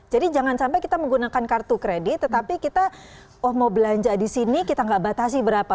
jadi jangan sampai kita menggunakan kartu kredit tetapi kita oh mau belanja di sini kita tidak batasi berapa